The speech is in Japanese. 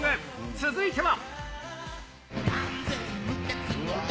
続いては。